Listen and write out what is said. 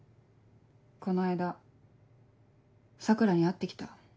この間桜に会って来た。